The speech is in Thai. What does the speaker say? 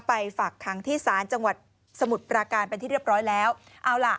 ฝากขังที่ศาลจังหวัดสมุทรปราการเป็นที่เรียบร้อยแล้วเอาล่ะ